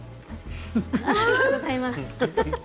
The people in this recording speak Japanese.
ありがとうございます。